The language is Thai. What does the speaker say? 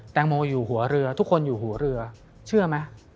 แตงโมอยู่หัวเรือทุกคนอยู่หัวเรือเชื่อไหม